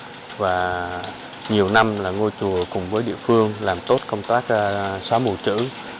rất tốt và nhiều năm là ngôi chùa cùng với địa phương làm tốt công tác xóa mù chữ